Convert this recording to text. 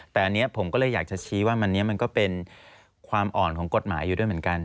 แต่อันนี้ผมก็เลยอยากจะชี้ว่าวันนี้มันก็เป็นความอ่อนของกฎหมายอยู่ด้วยเหมือนกัน